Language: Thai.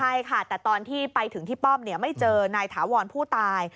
ใช่ค่ะแต่ตอนที่ไปถึงที่ป้อมไม่เจอนายถาวรผู้ตาย